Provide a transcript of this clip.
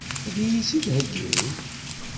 Ad iyi-tt-id-heggin?